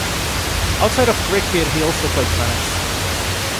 Outside of cricket he also played tennis.